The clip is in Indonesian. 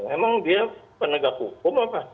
memang dia penegak hukum apa